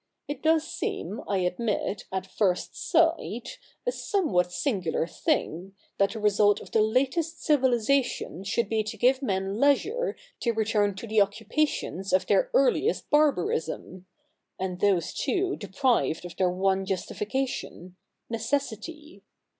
It does seem, I admit, at first sight, a somewhat singular thing, that the result of the latest civilisation should be to give men leisure to return to the occupations of their earliest barbarism — and those too deprived of their one justification — necessity.